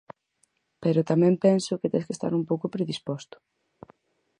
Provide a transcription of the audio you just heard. Pero tamén penso que tes que estar un pouco predisposto.